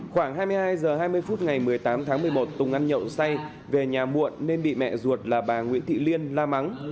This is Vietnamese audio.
khoảng hai mươi hai h hai mươi phút ngày một mươi tám tháng một mươi một tùng ăn nhậu say về nhà muộn nên bị mẹ ruột là bà nguyễn thị liên la mắng